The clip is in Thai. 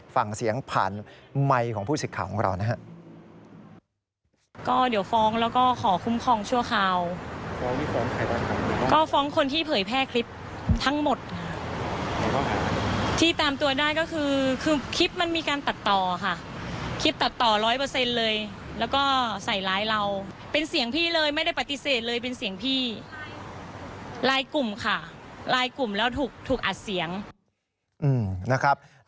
ฟังเสียงผ่านไมค์ของผู้สิทธิ์ข่าวของเรานะครับ